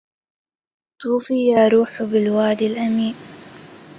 طوفى يا روح بالوادي الأمين